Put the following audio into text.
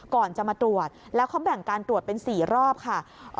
ก่อนจะมาตรวจแล้วเขาแบ่งการตรวจเป็น๔รอบค่ะ